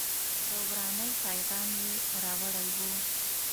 د ورانۍ پیغام یې راوړی و.